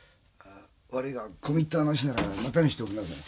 悪いが込み入った話ならまたにしておくんなさい。